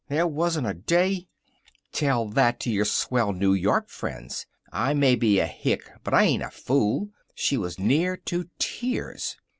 There wasn't a day " "Tell that to your swell New York friends. I may be a hick but I ain't a fool." She was near to tears.